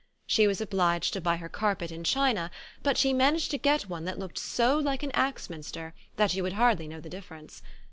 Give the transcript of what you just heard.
She was obliged to buy her carpet in China, but she managed to get one that looked so like an Axminster that you would hardly know the difference.